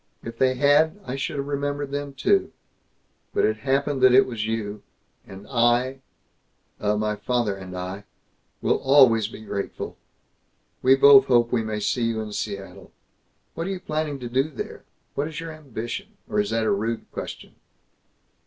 If they had, I should have remembered them too. But it happened that it was you, and I, uh, my father and I, will always be grateful. We both hope we may see you in Seattle. What are you planning to do there? What is your ambition? Or is that a rude question?"